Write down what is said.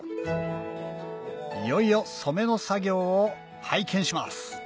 いよいよ染めの作業を拝見します